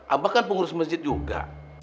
abah kan pengurus masjid juga